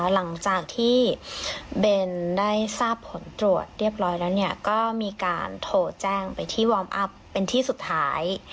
หลังจากที่เบนได้ทราบผลตรวจเรียบร้อยแล้วเนี่ยก็มีการโทรแจ้งไปที่วอร์มอัพเป็นที่สุดท้าย